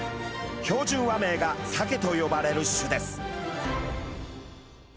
標準和名がサケと呼ばれる種です。